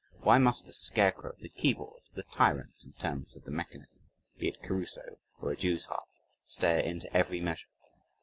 Why must the scarecrow of the keyboard the tyrant in terms of the mechanism (be it Caruso or a Jew's harp) stare into every measure?